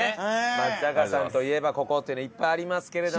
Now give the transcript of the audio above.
松坂さんといえばここっていうのいっぱいありますけれども。